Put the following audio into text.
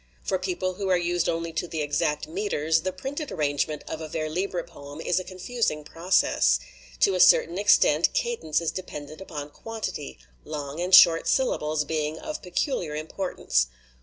For people who are used only to the exact meters, the printed arrangement of a vers libre poem is a confusing process. To a cer tain extent cadence is dependent upon quantity long and short syllables being of peculiar impor tance.